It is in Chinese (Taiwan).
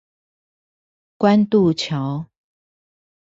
關渡橋